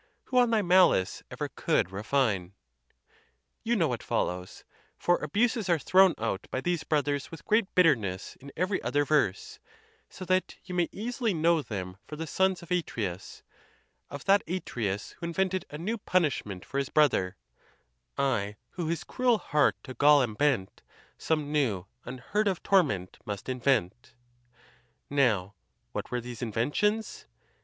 Who on thy malice ever could refine ?? You know what follows: for abuses are thrown out by these brothers with great bitterness in every other verse; so that you may easily know them for the sons of Atreus, of that Atreus who invented a new punishment for his brother : I who his cruel heart to gall am bent, Some new, unheard of torment must invent. Now, what were these inventions?